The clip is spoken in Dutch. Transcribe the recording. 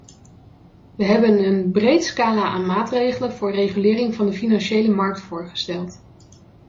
We hebben een breed scala aan maatregelen voor regulering van de financiële markt voorgesteld.